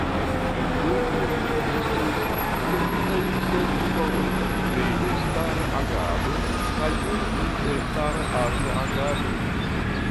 Entute estis disdonitaj ses diplomoj pri elstara agado kaj unu pri elstara arta agado.